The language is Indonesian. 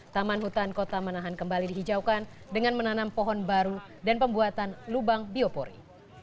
taman hutan kota manahan kembali dihijaukan dengan menanam pohon baru dan pembuatan lubang biopori